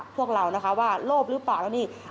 พวกเรานะคะว่าโลภหรือเปล่าแล้วนี่